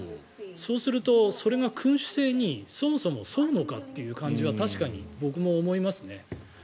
そうすると、それが君主制にそもそも沿うのかという感じは確かに僕も思いますね。